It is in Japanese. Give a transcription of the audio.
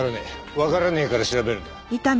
わからねえから調べるんだ。